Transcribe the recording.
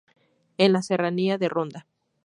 En la Serranía de Ronda.